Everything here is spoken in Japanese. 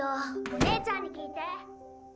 お姉ちゃんに聞いて。